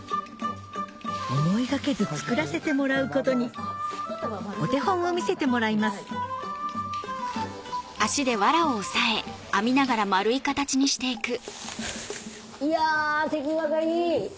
思いがけず作らせてもらうことにお手本を見せてもらいますいや手際がいい。